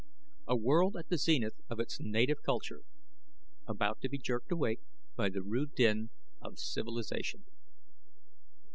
A world at the zenith of its native culture, about to be jerked awake by the rude din of civilization.